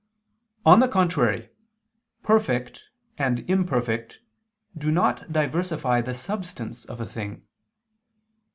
On the contrary, Perfect and imperfect do not diversify the substance of a thing.